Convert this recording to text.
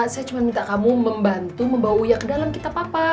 saya cuma minta kamu membantu membawa uyang ke dalam kita papa